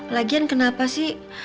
lagian kenapa sih